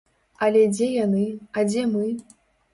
Але дзе яны, а дзе мы?